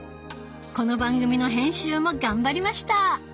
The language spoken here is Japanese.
この番組の編集も頑張りました。